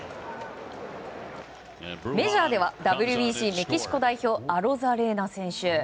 メジャーではＷＢＣメキシコ代表アロザレーナ選手。